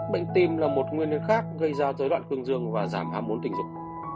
bệnh tim là một nguyên liệu khác gây ra giới đoạn cương dương và giảm hàm mốn tình dục